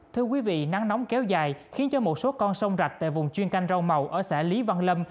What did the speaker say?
thưa quý vị nắng nóng kéo dài khiến cho một số con sông rạch tại vùng chuyên canh rau màu ở xã lý văn lâm